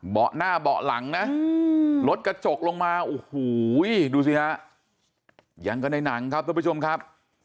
หน้าเบาะหลังนะรถกระจกลงมาโอ้โหดูสิฮะยังก็ในหนังครับทุกผู้ชมครับ